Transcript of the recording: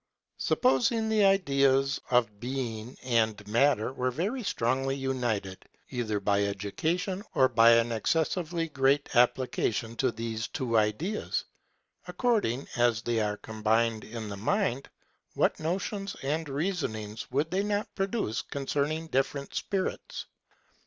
Sup posing the ideas of being and matter were very strongly united, either by education or by an excessively great application to these two ideas, according as they are combined in the mind, what notions and reasonings w^ould they not produce concern ing different spirits